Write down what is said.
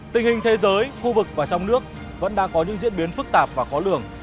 tình hình thế giới khu vực và trong nước vẫn đang có những diễn biến phức tạp và khó lường